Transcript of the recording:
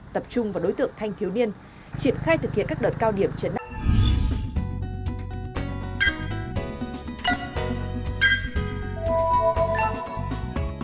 tập trung vào đối tượng thanh thiếu niên triển khai thực hiện các đợt cao điểm trận đại